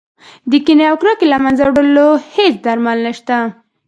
د کینې او کرکې له منځه وړلو هېڅ درمل نه شته.